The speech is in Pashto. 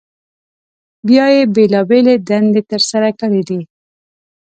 بیا یې بېلابېلې دندې تر سره کړي دي.